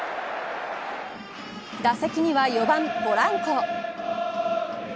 打席には４番ポランコ。